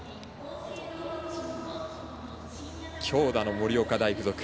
強打の盛岡大付属。